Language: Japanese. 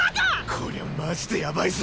こりゃマジでやばいぞ！